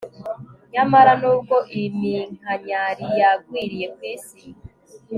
nyamara nubwo iminkanyari yagwiriye kwisi